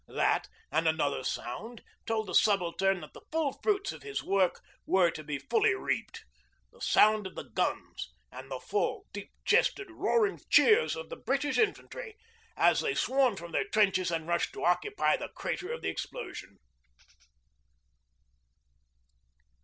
That, and another sound, told the Subaltern that the full fruits of his work were to be fully reaped the sound of the guns and of the full, deep chested, roaring cheers of the British infantry as they swarmed from their trenches and rushed to occupy the crater of the explosion.